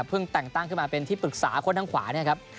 แต่งตั้งขึ้นมาเป็นที่ปรึกษาคนทางขวาเนี่ยครับ